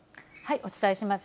お伝えします。